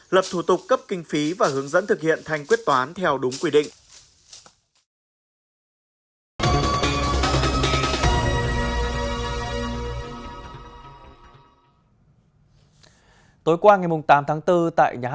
lập thủ tục cấp kinh phí và hướng dẫn thực hiện thành quyết toán theo đúng quy định